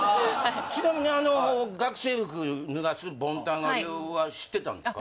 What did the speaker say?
ちなみにあの学生服脱がすボンタンの理由は知ってたんですか？